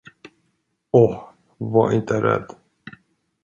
Åh, var inte rädd!